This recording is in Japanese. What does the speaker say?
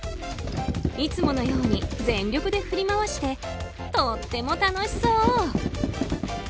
いつものように全力で振り回してとっても楽しそう。